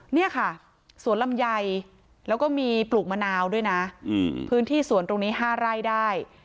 นี่ค่ะสวนลำไยแล้วก็มีปลูกมะนาวด้วยนะพื้นที่สวนตรงนี้๕ไร่ได้